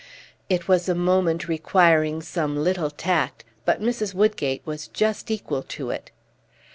It was a moment requiring some little tact, but Mrs. Woodgate was just equal to it.